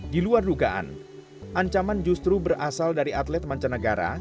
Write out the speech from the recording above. di luar dugaan ancaman justru berasal dari atlet mancanegara